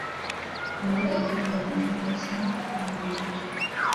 Imbwa igenda mu mazi mu nyanja